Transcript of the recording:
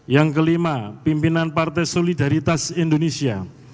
yang kelima pimpinan partai solidaritas indonesia